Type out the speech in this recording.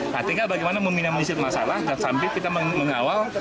hati hati bagaimana meminjam minjam masalah dan sampai kita mengawal